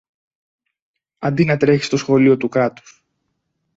Αντί να τρέχεις στο Σχολείο του Κράτους